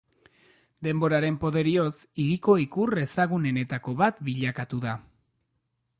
Denboraren poderioz hiriko ikur ezagunenetako bat bilakatu da.